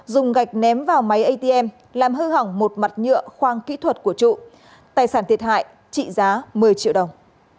dùng gạch ném vào máy atm làm hư hỏng một mặt nhựa khoang kỹ thuật của trụ tài sản thiệt hại trị giá một mươi triệu đồng